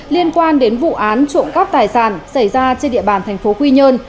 liên quan đến vụ án trộm cắp tài sản xảy ra trên địa bàn tp quy nhơn